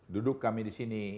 duduk kami di sini